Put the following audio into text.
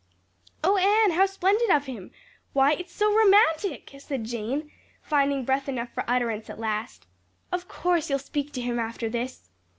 "Oh, Anne, how splendid of him! Why, it's so romantic!" said Jane, finding breath enough for utterance at last. "Of course you'll speak to him after this."